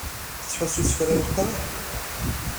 Yettḥussu s kra n leqriḥ?